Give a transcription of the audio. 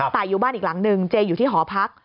แต่อยู่บ้านอีกหลังนึงเจอยู่ที่หอพัก